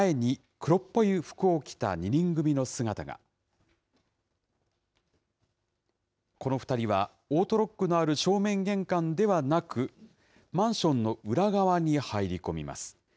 この２人は、オートロックのある正面玄関ではなく、マンションの裏側に入り込みます。